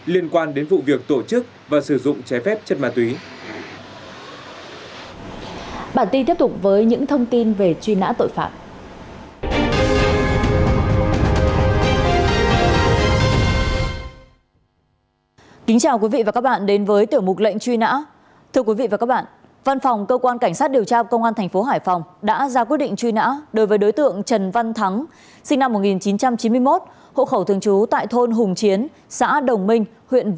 liên quan đến vụ việc tổ chức và sử dụng trái phép chất ma túy